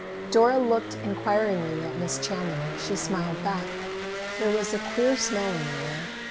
Dora looked inquiringly at Miss Chandler. She smiled back. There was a queer smell in the air.